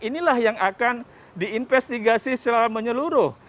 inilah yang akan diinvestigasi secara menyeluruh